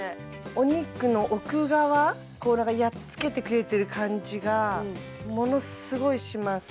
お肉の奥側こうやっつけてくれてる感じがものすごいします